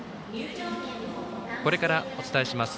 これからお伝えします